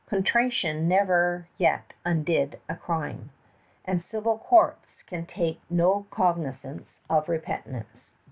Contrition never yet undid a crime; and civil courts can take no cognizance of repentance.